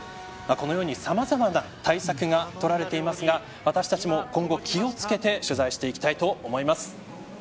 このようにさまざまな対策が取られていますが私たちも今後、気を付けて取材していきたいと思います。